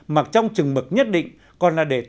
mặc trong chừng mực nhất định còn là để tìm kiếm